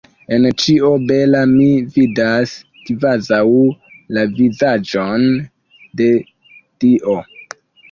En ĉio bela mi vidas kvazaŭ la vizaĝon de Dio.